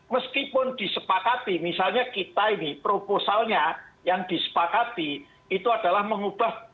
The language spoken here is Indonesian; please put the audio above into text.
meskipun disepakati misalnya kita ini proposalnya yang disepakati itu adalah mengubah